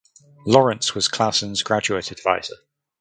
Lawrence was Claussen’s graduate advisor.